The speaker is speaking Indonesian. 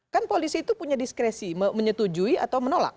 kan polisi itu punya diskresi menyetujui atau menolak